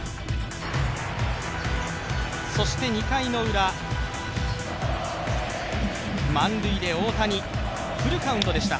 そして２回のウラ、満塁で大谷、フルカウントでした。